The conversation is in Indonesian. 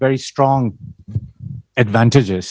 keuntungan yang sangat kuat